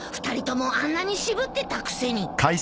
２人ともあんなに渋ってたくせに。